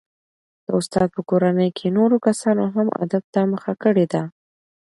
د استاد په کورنۍ کې نورو کسانو هم ادب ته مخه کړې ده.